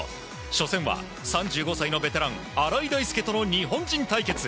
初戦は３５歳のベテラン荒井大輔との日本人対決。